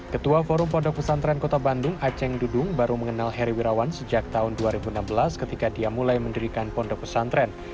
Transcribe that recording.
ketua forum pondok pesantren kota bandung aceh dudung baru mengenal heri wirawan sejak tahun dua ribu enam belas ketika dia mulai mendirikan pondok pesantren